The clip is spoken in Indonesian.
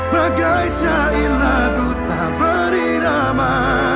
begai syair lagu tak berirama